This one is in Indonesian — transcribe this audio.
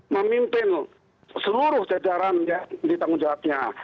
memimpin seluruh jajaran yang ditanggung jawabnya